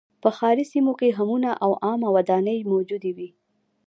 په ښاري سیمو کې حمونه او عامه ودانۍ موجودې وې